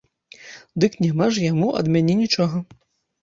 Дык няма ж яму ад мяне нічога.